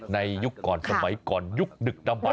ยุคก่อนสมัยก่อนยุคดึกดำบัน